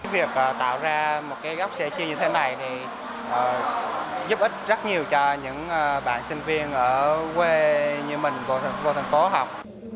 việc tạo ra một cái góc sẻ chia như thế này thì giúp ích rất nhiều cho những bạn sinh viên ở quê như mình vô thành phố học